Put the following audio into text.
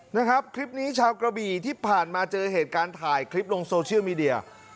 นะครับคลิปนี้ชาวกระบี่ที่ผ่านมาเจอเหตุการณ์ถ่ายคลิปลงโซเชียลมีเดีย